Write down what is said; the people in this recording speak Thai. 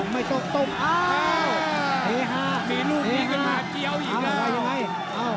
มีรูปดีขึ้นมาเกี๊ยวอีกแล้ว